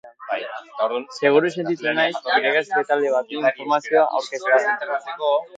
Seguru sentitzen naiz irakasle talde bati informazioa aurkeztean.